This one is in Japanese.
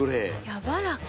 やわらか。